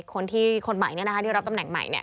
คนที่คนใหม่นี้นะคะในรับตำแหน่งใหม่เนี่ย